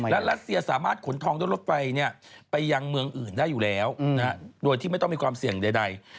และรัสเซียสามารถขนทองด้วยรถไฟไปยังเมืองอื่นได้อยู่แล้วโดยที่ไม่ต้องมีความเสี่ยงใด